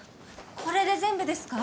これで全部ですか？